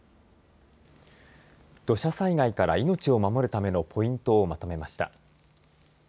土砂災害から命を守るためのポイントをまとめました。